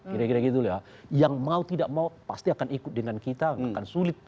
kira kira gitu ya yang mau tidak mau pasti akan ikut dengan kita akan sulit